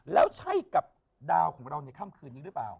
แล้วใช่กับดาวของเราในค่ำคืนนี้หรือเปล่า